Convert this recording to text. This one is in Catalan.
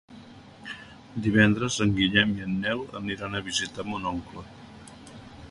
Divendres en Guillem i en Nel aniran a visitar mon oncle.